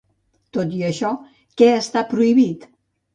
Tot i això, què està prohibit?